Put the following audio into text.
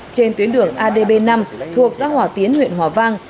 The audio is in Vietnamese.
trên tuyến đường adb năm thuộc giã hỏa tiến huyện hòa vang